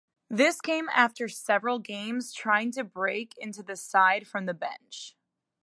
This came after several games trying to break into the side from the bench.